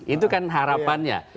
itu kan harapannya